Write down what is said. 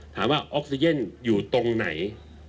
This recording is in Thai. ถามว่าออกซิเจนอยู่ตรงไหน